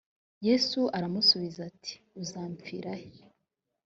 yesu aramusubiza ati uzampfira he